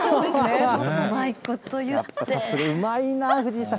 またうまいな、藤井さん。